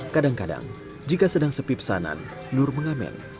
kadang kadang jika sedang sepi pesanan nur mengamen